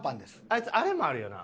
あいつあれもあるよな。